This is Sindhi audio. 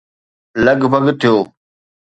لڳ ڀڳ ٿيو